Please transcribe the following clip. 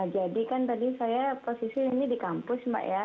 jadi kan tadi saya posisi ini di kampus mbak ya